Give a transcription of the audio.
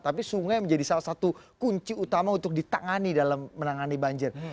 tapi sungai menjadi salah satu kunci utama untuk ditangani dalam menangani banjir